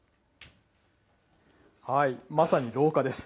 まさに廊下です。